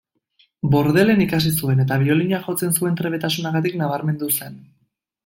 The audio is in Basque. Bordelen ikasi zuen, eta biolina jotzen zuen trebetasunagatik nabarmendu zen.